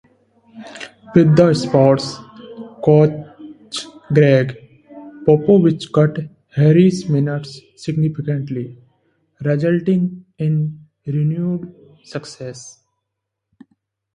With the Spurs, coach Gregg Popovich cut Horry's minutes significantly, resulting in renewed success.